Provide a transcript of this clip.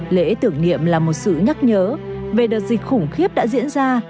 lễ tưởng niệm là một sự nhắc nhớ về đợt dịch khủng khiếp đã diễn ra